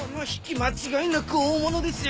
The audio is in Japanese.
間違いなく大物ですよ